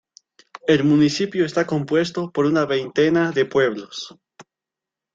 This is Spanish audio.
El municipio está compuesto por una veintena de pueblos.